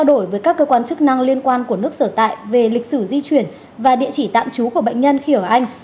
đổi với các cơ quan chức năng liên quan của nước sở tại về lịch sử di chuyển và địa chỉ tạm trú của bệnh nhân khi ở anh